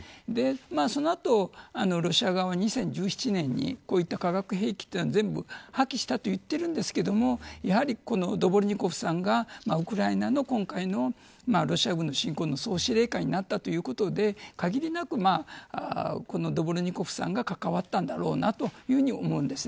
その後、ロシア側は２０１７年にこういった化学兵器は全部破棄したと言っているんですがやはり、ドゥボルニコフさんがウクライナの今回のロシア軍の侵攻の総司令官になったということで限りなくドゥボルニコフさんが関わったんだろうなと思うんです。